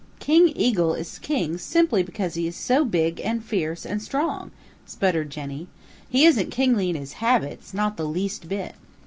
"King Eagle is king simply because he is so big and fierce and strong," sputtered Jenny. "He isn't kingly in his habits, not the least bit.